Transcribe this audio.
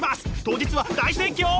当日は大盛況！